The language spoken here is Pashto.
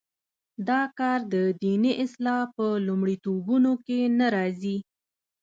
دا کار د دیني اصلاح په لومړیتوبونو کې نه راځي.